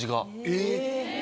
・えっ！